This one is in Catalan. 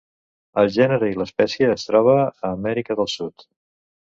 El gènere i l'espècie es troba a Amèrica del Sud.